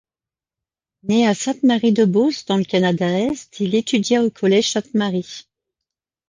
Né à Sainte-Marie-de-Beauce dans le Canada-Est, il étudia au Collège Sainte-Marie.